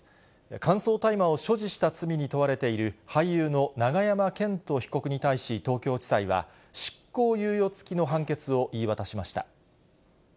乾燥大麻を所持した罪に問われている俳優の永山絢斗被告に対し、東京地裁は、執行猶予付きの判決を言い渡しました。